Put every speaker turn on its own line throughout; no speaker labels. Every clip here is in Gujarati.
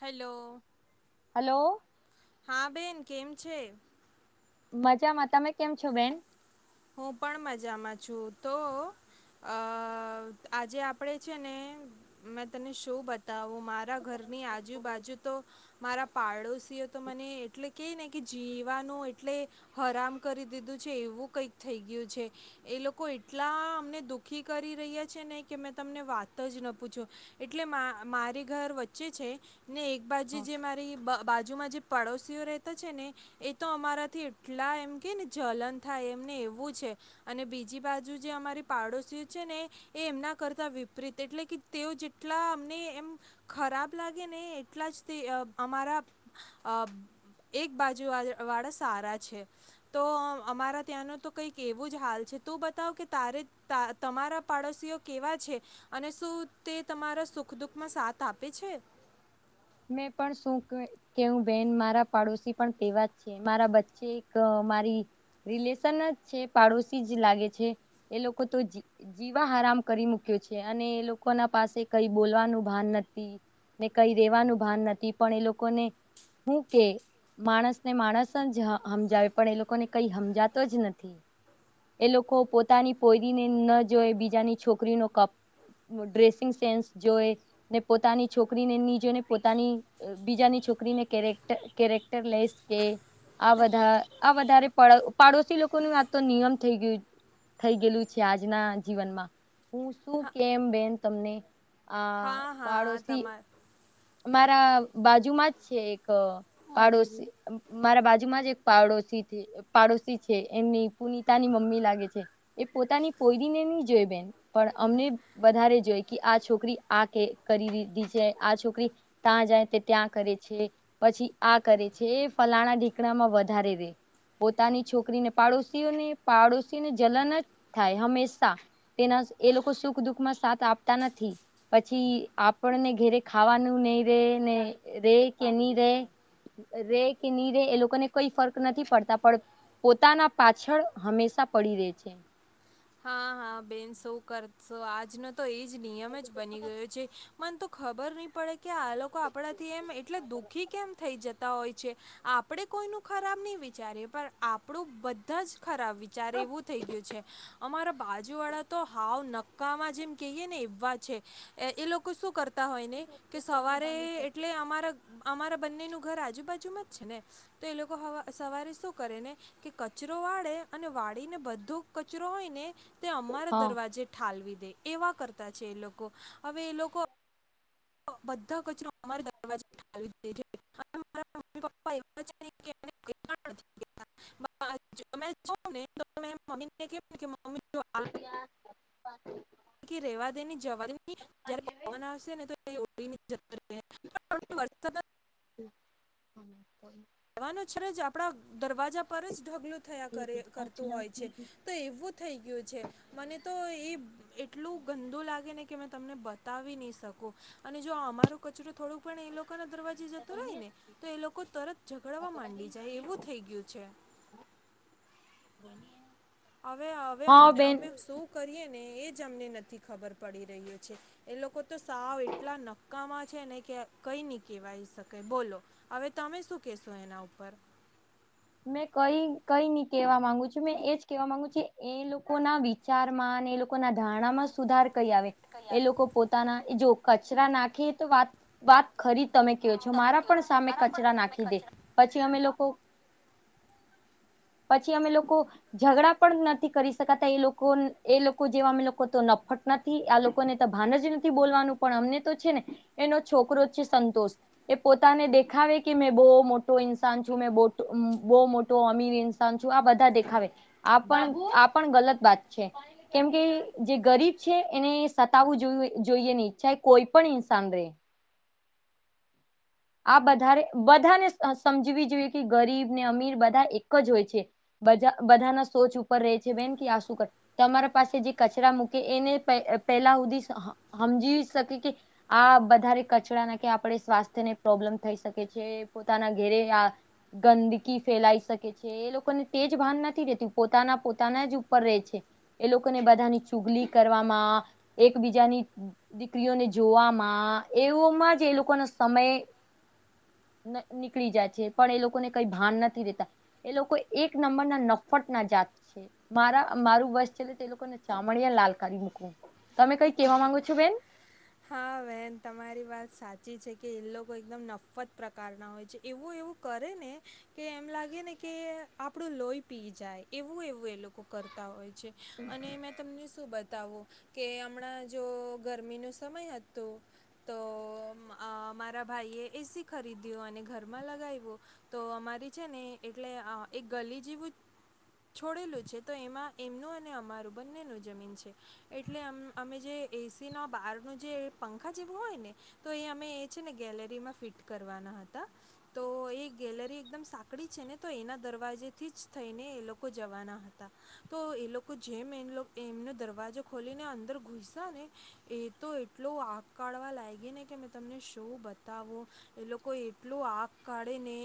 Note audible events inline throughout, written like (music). હેલો.
હેલો.
હા બેન કેમ છે.
મજામાં તમે કેમ છો બેન.
હું પણ મજામાં છું તો આ અ આજે આપડે છે ને મેં તને શું બતાવું મારા ઘરની આજુબાજુ તો મારા પાડોશીઓ તો મને એટલે કેય ને કે જીવાનું એટલે હરામ કરી દીધું છે એવું કઈક થઈ ગયું છે એ લોકો એટલા અમને દુઃખી કરી રહ્યા છે ને કે મેં તમને વાત જ ના પૂછો એટલે માં મારી ઘર વચ્ચે છે ને એક બાજુ
હા
જે મારી બા બાજુમાં જે પડોશીઓ રહેતા છે ને એ તો અમારાથી એટલા એમ કે ને જલન થાય એમને એવુ એવું છે અને બીજી બાજુ જે અમારી પાડોશ છે ને એ એમના કરતા વિપરીત એટલે કે તેઓ જેટલા અમને એમ ખરાબ લાગે ને એટલા જ તે અમારા અ એક બાજુ વા વાળા સારા છે તો અમારા ત્યાંનો તો કંઈક એવું જ હાલ છે તું બતાવ કે તારે ત તમારા પાડોશીઓ કેવા છે અને શું તે તમારા સુખ દુઃખ માં સાથ આપે છે.
(inaudible) મેં પણ શું કેવું બેન મારા પાડોશી પણ તેવા જ છે મારા વચ્ચે એક આ મારી રિલેશન જ છે પાડોશી જ લાગે છે એ લોકો તો જીવા હરામ કરી મૂકે મૂક્યો છે અને એ લોકો ના પાસે કઈ બોલવાનું ભાન નથી ને કઈ રેવાનું ભાન નથી પણ એ લોકોને હું કે માણસને માણસ જ હા હમજાવે પણ એ લોકોને કઈ હમજાતું જ નથી. એ લોકો પોતાની પોઈરીને ન જોય બીજાની છોકરીનો કપ ડ્રેસિંગ સેન્સ જોય ને પોતાની છોકરીને ની જોઈ ને પોતાની બીજાની છોકરીને કેરેક્ટર કેરેક્ટર લઈશ કે આ વધા આ વધારે પા પાડોશી લોકોનું આ તો નિયમ થઈ ગયું થઈ ગયેલું છે આજના જીવનમાં, હું શું
હા
કેમ બેન તમને. આ
હા હા
પાડોશી
તમા
મારા બાજુમાં જ છે એક પાડોશી મારા બાજુમાં જ એક પાડોશી પાડોશી છે એમની પુનિતાની મમ્મી લાગે છે, એ પોતાની પોરીને નની જોઈ બેન. પણ અમને વધારે જોઈ કે આ છોકરી આ કે કરી દીધી છે આ છોકરી. ત્યાં જાય તે ત્યાં કરે છે, પછી આ કરે છે એ ફલાણા ઢીકણામાં વધારે રે. પોતાની છોકરીને પાડોશીઓને પાડોશીને જલન જ થાય હંમેશા, તેના એ લોકો સુખ દુખમાં સાથ આપતા નથી, પછી આપણને ઘેરે ખાવાનું નહ ર રે કે ની રે. રે કે નહી રે એ લોકોને કોઈ ફર્ક નથી પડતા પણ પોતાના પાછળ હંમેશા પડી રે છે.
હા હા બેન શું કરશો આજનો તો એજ નિયમ જ બની ગયો છે, મન તો ખબર નહી પડે કે આ લોકો આપણાથી એમ એટલે દુઃખી કેમ થઈ જતા. હોય છે, આપણે કોઈનું ખરાબ નહીં વિચારીએ પણ આપણું બધા જ ખરાબ વિચારે. એવું થઈ ગયું છે. અમારા બાજુવાળા તો હાવ નક્કામાં જેમ કહીએ ને એવા છે, એ લોકો શું કરતા હોય ને, કે સવારે એટલે અમારા અમારા બંનેનું ઘર આજુબાજુમાં છે ને તો એ લોકો સવારે શું કરે ને, કે કચરો વાળે અને વાળીને બધો કચરો હોયને, તે અમારા
હા
દરવાજે ઠાલવી દે. એવા કરતા છે એ લોકો, હવે એ લોકો બધા કચરો અમારે દરવાજો (unintelligible) રા મમ્મી પપ્પા એ (unintelligible) ને મમી (unintelligible)
અયા (unintelligible)
રેવા દેની જવા દેની જ્યારે પવન આવશે ને વષ (unintelligible) જવાનું છે જ આપડા દરવાજા પર જ ઢગલું થયા કરે કરતું હોય છે, તો એવું થઈ ગયું છે, મને તો એ
(inaudible)
એટલું ગંદુ લાગે ને કે અમે તમને બતાવી નહી શકુ, અને જો અમારો કચરો થોડુંક પણ એ લોકોના દરવાજે જતો રહે ને, તો એ લોકો તરત ગડવા માં જાય એવું થઈ ગયું છે. હવે હવે
હા બેન
અમે શું કરીએ. ને એજ અમને નથી ખબર પડી રહ્યો છે, એ લોકો તો સાવ એટલા નક્કામાં છે ને. કઈ નની કેહેવાય શકે બોલો, હવે તમે શું કેશો એના ઉપર.
(inaudible) મેં કઈ કઈ નઈ કેવા માંગુ છું મેં એજ કેવા માંગુ છું એ લોકો ના વિચારમાં એ લોકો ના ધારણામાં સુધાર ક આવે, એ લોકો પોતાના જો કચરા નાખે તો વાત વાત ખરી તમે કયો છો મારા પણ સામે કચરા નાખી દે, પછી અમે લોકો પછી અમે લોકો, ઝઘડા પણ નથી કરી શકાતા એ લોકો એ લોકો જેવા અમે લોકો તો. નફટ નથી આ લોકોને તો ભાન જ નથી બોલવાનું પણ અમને તો છે ને, એનો છોકરો જ છે સંતોષ. એ પોતાને દેખાવે કે મેં બહુ મોટો ઇન્સાન છું મે બટ બહ મોટો અમીર ઇન્સાન છું આ બધા દેખાવે, આ પણ ગલત બાત છે. કેમ કે જે ગરીબ છે એને સતાવવું જો જોઈએ નહી ચ કોઈ પણ ઇન્સાન રે. આ બધારે બધાને સમજવી જોઈએ કે ગરીબ ને અમીર બધા એક જ હોય છે. બ બધા ના સોચ ઉપર ર છે બેન કે આ શું કરે તમારા પાસે જે કચરા મૂકે એને પેલા સુધી સમજી શકે કે, આ વધારે કચડા ના કે આપણે સ્વાસ્થ્યને પ્રોબ્લેમ થઈ શકે છે પોતાના ઘેરે આ, ગંદકી ફેલાઈ શકે છે એ લોકોને ભાન નથી રતું પોતાના પોતાના જ ઉપર ર છે, એ લોકોને બધાની ચુગલી કરવામાં. એકબીજાની દીકરીઓને જોવામાં એવોમાં જ એ લોકોનો સમય (unintelligible) નીકળી જાય છે પણ એ લોકોને કઈ ભાન નથી દેતા એ લોકો એક નંબરના નફત ના છે મારા મારું વસ ચલે તો લોકોને ચામડિયા લાલ કરી મકવું
હા બેહેન તમારી વાત સાચ છી છે કે એ લોકો એકદમ નફત પ્રકાર ના હોય છે એવું એવું કરે ને કે એમ લાગે ને કે આપણું લોહી પી જાય એવું એવું એ લોકો કરતા હોય છે અને મેં તમને શું બતાવું કે હમણાં જો ગરમીનો સમય હતો તો મારા ભાઈ એસી ખરીદ્યું અને ઘરમાં લગાવ્યું તો અમારી છે ને એટલે એક ગલી જે છોડેલું છે તો એમાં એમનું અને અમારું બંનેનું જમીન છે એટલે અમ અમે જે એસીના બહારનું જે પંખા જેવું હોય ને તો એ અમે એ છે ને ગે રીમાં ફિટ કરવાના હતા તો એ ગેલેરી એકદમ સાકડી છે ને તો એના દરવાજે થી થઈને એ લોકો જવાના હતા તો એ લોકો જેમ એ એમનો દરવાજો ખોલીને અંદર ઘુસા ને એ તો એટલો આગ કાઢવા લાગે ને કે મેં તમને શું બતાવું એ લોકો એટલું આગ કાઢે ને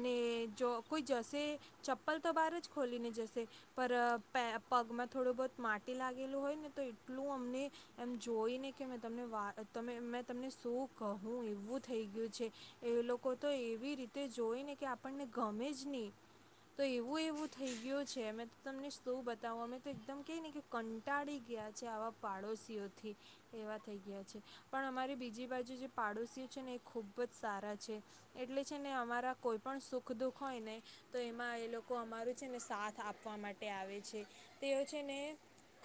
અને જો કોઈ જશે ચપ્પલ તો બહાર જ ખોલી ને જશે પણ પગમાં થોડું બહત માટી લાગેલું હોય ને તો એટલું મને એમ જોઈને કે તમને મે તમને શું કહું એવું થઈ ગયું એ લોકો તો એવી રીતે જોય ને કે આપણને ગમે જ નહી તો એવું એવું થઈ ગયું છે મે તમને શું બતાવું અમે તો એકદમ ક ને કે કંટાળી ગયા આવા વાડોશીથી એવા થઈ ગયા છે પણ અમારી બીજી બાજુ જે પાડોશી છે ને ખુબજ સારા છે એટલે છે ને અમારા કોઈ પણ સુખ દુઃખ હોય ને તો એમાં લોકો અમારું છે ને સાથ આપવા માટે આવે છે તેઓ છે ને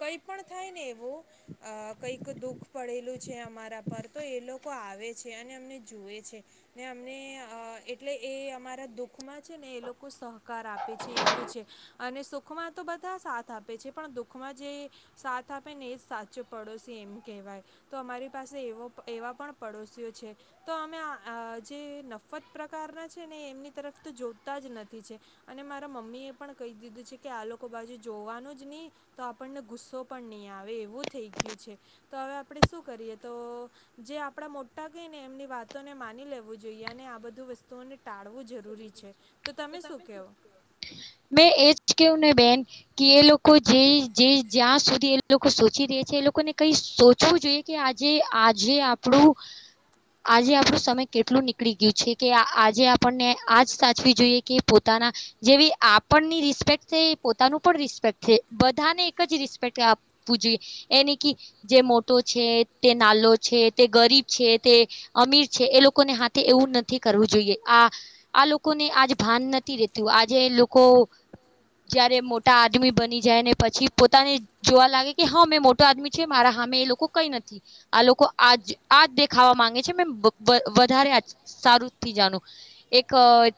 કઈ પણ થાય ને એવું અ કંઈક દુઃખ પડેલું છે અમારા પર તો એ લોકો આવે છે અને અમને જુએ છે ને અમને એટલે એ અમારા દુઃખમાં છે ને એ લોકો સહ કાર આપે છે એવું છે અને સુખમાં તો બધા સાથ આપે છે પણ દુખમાં જે સાથ આપે ને એ જ સાચો પડોશી એમ કહેવાય તો અમારી પાસે એવો એવા પણ પડોશીઓ તો અમે જે નફત પ્રકારના છે ને એમની તરફ તો જોડતા જ નથી છે અને મારા મમ્મી એ પણ કહી દીધું છે કે આ લોકો બાજુ જોવાનું જ નહી તો આપણને ગુસ્સો પણ નહીં આવે એવું થઈ ગયું છે તો હવે આપણે શું કરીએ તો જે આપણા મોટા કઈ એમની વાતોને માની લેવું જોઈએ અને આ બધું વસ્તુઓને ટાળવું જરૂરી છે તો તમે શું કહો
મે એજ કેને બેન કે એ લોકો જે જ્યાં સુધી એ લોકો સોચી રહ્યા છે એ લોકોને કઈ સોચવું જોઈએ કે આજે આજે આપણું આજે આપણું સમય કેટલું નીકળી ગયું છે કે આજે આપણને આજ સાચવી જોઈએ કે પોતાના જેવી આપણની રિસ્પેક્ટ છે પોતાનું પણ રિસ્ પેકટ બધાને એક જ રિસ્પેક્ટ આપવું જોઈએ એ ન જે મોટો છે તે નાલો છે તે ગરીબ છે તે અમીર છે એ લોકોને હાથે એવું નથી કરવું જોઈએ આ આ લોકોને આજ ભાન નથી રેતું આજે લોકો જયારે મોટા આદમી બની જાય ને પછી પોતાને જોવા લાગે કે હા મેં મોટો આદમી છે મારા હામે મે એ લોકો કઈ નથી આ લોકો આજ આજ દેખાવા માંગે છે મે વધારે સારુંથી જાણો એક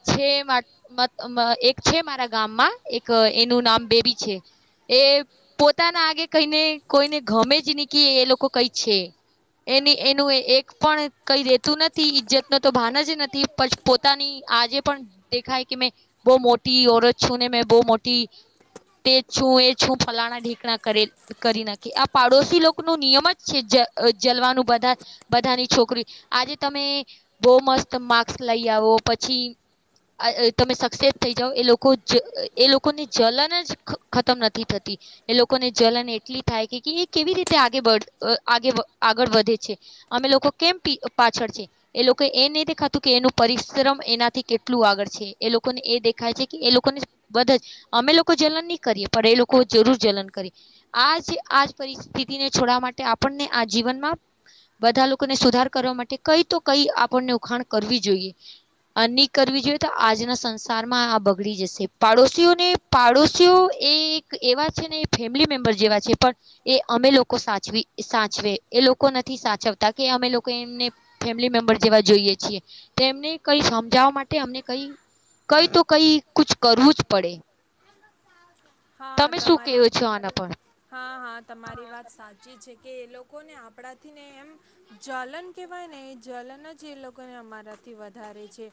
છે એક છે મારા ગામમાં એક એનું નામ બેબી છે એ પોતાના આગે કહીને કોઈને ગમે જ નીકી એ લોકો કઈ છે એની એનું એક પણ કઈ રેતું નથી ઈજ્જત ન તો ભાન જ નથી પછી પોતાની આજે પણ દેખાય કે મેં બહુ મોટી ઔરત છું ને મેં બહુ મોટી તે છું એ છું ફલાણા ઢીકણા કરે કરી નાખે આ પાડોશી લોકો ન નિયમ જ છે જલવાનું બ બધાની છોકરી આજે તમે બહ મસ્ત મા લઈ આવો પછી તમે સક્સેસ થઈ જાાવ એ લોકો એ લોકોની જલન જ ખતમ નથી થતી એ લોકોને જલન એટલી થાય કે એ કેવી રીતે આગ આગળ વધે છે. અમે લોકો કેમ પી પાછળ છે એ લોકો એ નય દેખાતુ એનું પરિશ્રમ એનાથી કેટલું આગળ છે એ લોકોને એ દેખાય છે કે એ લોકોને બધા જ અમે લોકો જલન નહી કરીએ પણ એ લોકો જરૂર જલન કરી. આજ આ પરિસ્થિતિ ને છોડવા માટે આપણને આ જીવનમાં બધા લોકોને સુધાર કરવા માટે કઈ તો કઈ આપણને ઉખાણ કરવી જોઈએ આની કરવી જોઈએ તો આજના સંસારમાં આ બગડી જશે. પાડોશીઓને પાડોશીઓ એ એક એવા છે ને ફેમિલી મેમ્બર જેવા છે પણ એ અમે લોકો સાચવી સાચવે લોકો નથી સાચવતા કે અમે લોકો એમને ફેમિલી મેમ્બર જેવા જોઈએ છીએ તેમને કઈ સમજાવવા માટે અમને કઈ કઈ તો કઈ કછુ કરવું જ પડે
હા
તમે શું
તમારી,
કેવો છો આના પર
હા હા તમારી વાત સાચી છે કે એ લોકોને આપણાથી ને એમ જલન કહેવાય ને એ જલન જ એ લોકોને અમારા થી વધારે છે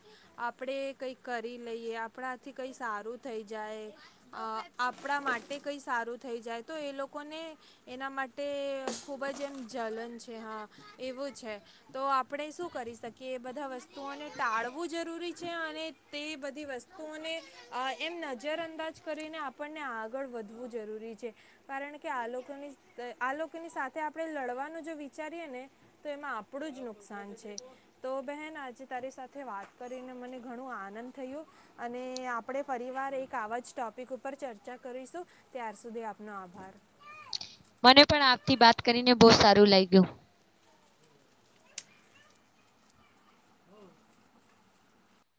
આપણે કંઈક કરી લઈએ આપણાથી કંઈ સારું થઈ જાય અ આપણા માટે કંઈ સારું થઈ જાય તો એ લોકોને એના માટે ખૂબ જ એમ જલન છે હા એવું છે તો આપણે શું કરી શકીએ એ બધા વસ્તુઓને તાળ આપવુ જરૂરી છે અને તે બધી વસ્તુઓને એમ નજર અંદાજ કરીને આપ આપને આગળ વધવું જરૂરી છે. કારણ કે આ આની સાથે આપણે લડ વિચારીએ ને તો એમાં આપણું જ નુકસાન છે તો બેહન આજે તારી સાથે વા વાત કરીને મને ઘણું આનંદ થયો અને આપણે ફ્રરી પરિવાર એક આવા જ ટોપિક ઉપર પર ચર્ચા કરીશું. ત્યાર સુધી આપનો આભાર.
મને પણ આપથી બાત કરીને બહુ સારું લાગ્યું.